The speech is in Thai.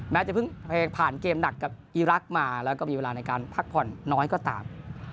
จะเพิ่งเพลงผ่านเกมหนักกับอีรักษ์มาแล้วก็มีเวลาในการพักผ่อนน้อยก็ตาม